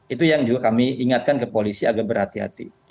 itu yang juga kami ingatkan ke polisi agar berhati hati